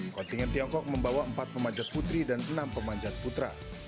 kontingen tiongkok membawa empat pemanjat putri dan enam pemanjat putra